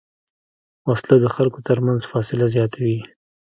وسله د خلکو تر منځ فاصله زیاتوي